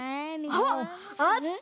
あっあった？